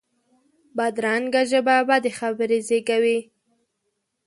بدرنګه ژبه بدې خبرې زېږوي